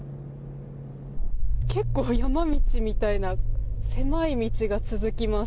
結構、山道みたいな狭い道が続きます。